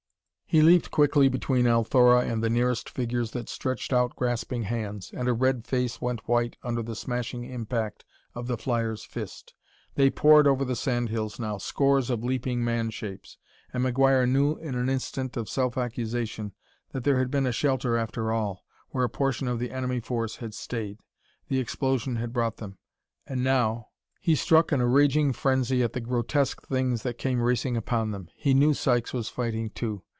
He leaped quickly between Althora and the nearest figures that stretched out grasping hands, and a red face went white under the smashing impact of the flyer's fist. They poured over the sand hills now scores of leaping man shapes and McGuire knew in an instant of self accusation that there had been a shelter after all, where a portion of the enemy force had stayed. The explosion had brought them, and now He struck in a raging frenzy at the grotesque things that came racing upon them. He knew Sykes was fighting too.